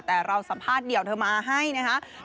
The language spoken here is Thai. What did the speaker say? แต่เราสัมภาษณ์เดี่ยวเธอมาให้นะคะ